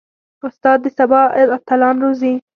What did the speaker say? استاد د سبا اتلان روزي.